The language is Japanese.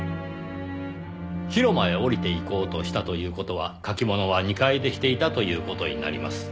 「広間へ降りて行こうとした」という事は書き物は２階でしていたという事になります。